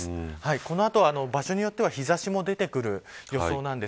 この後、場所によっては日差しも出てくる予想です。